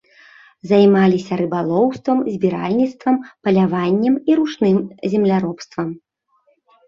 Займаліся рыбалоўствам, збіральніцтвам, паляваннем і ручным земляробствам.